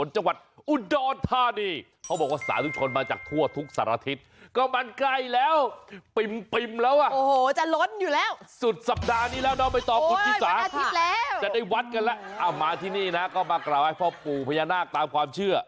จะได้วัดกันแล้วเอามาที่นี่นะก็มากราวให้พ่อปู่พญานาคตามความเชื่อ